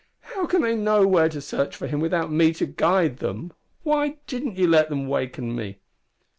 "How can they know where to search for him without me to guide them? Why didn't you let them waken me!"